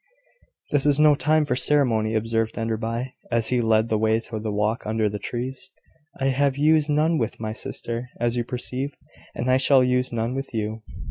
"This is no time for ceremony," observed Enderby, as he led the way to the walk under the trees. "I have used none with my sister, as you perceive; and I shall use none with you."